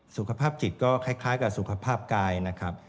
สุขภาพจิตก็คล้ายกับสุขภาพกายนะครับ